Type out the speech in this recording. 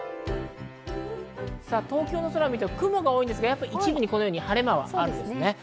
東京の空を見ても雲が多いですが一部に晴れ間があります。